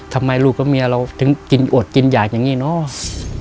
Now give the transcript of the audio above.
ทำไมลูกกับเมียเราถึงกินอดกินอยากอย่างนี้เนาะ